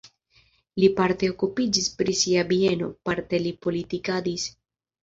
Li parte okupiĝis pri sia bieno, parte li politikadis.